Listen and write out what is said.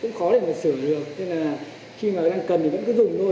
cũng khó để mà sửa được nên là khi mà đang cần thì cũng cứ dùng thôi